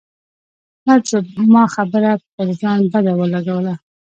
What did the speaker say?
احمد زما خبره پر ځان بده ولګوله.